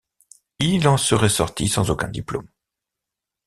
Il en serait sorti sans aucun diplôme.